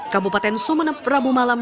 kabupaten sumeneb rabu malam